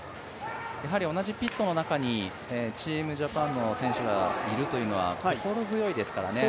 同じピットの中にチームジャパンの選手がいるのは心強いですからね。